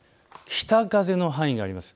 北風の範囲があります。